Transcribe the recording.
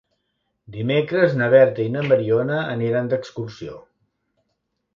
Dimecres na Berta i na Mariona aniran d'excursió.